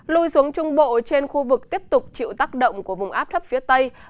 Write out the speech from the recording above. lùi xuống trung bộ trên khu vực tiếp tục chịu tác động của vùng á